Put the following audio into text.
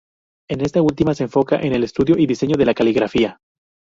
En esta última se enfoca en el estudio y diseño de la caligrafía.